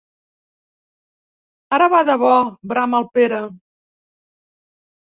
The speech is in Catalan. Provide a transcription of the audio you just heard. Ara va de bo! —brama el Pere.